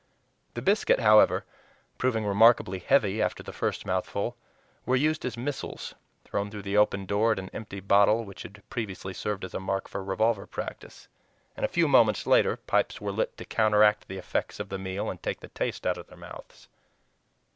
The biscuits, however, proving remarkably heavy after the first mouthful, were used as missiles, thrown through the open door at an empty bottle which had previously served as a mark for revolver practice, and a few moments later pipes were lit to counteract the effects of the meal and take the taste out of their mouths.